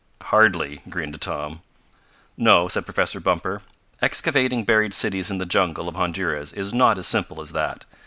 "Hardly," grinned Tom. "No," said Professor Bumper. "Excavating buried cities in the jungle of Honduras is not as simple as that.